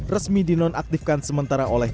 resmi dinonaktifkan sementara oleh